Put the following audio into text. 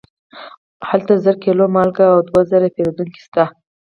هلته زر کیلو مالګه او دوه زره پیرودونکي شته.